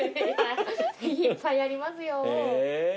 いっぱいありますよ。